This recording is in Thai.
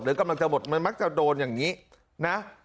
หรือก็มันจะหมดมันมักจะโดนอย่างงี้นะ